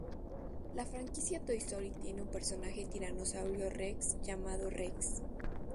La franquicia "Toy Story" tiene un personaje "Tyrannosaurus rex" llamado Rex.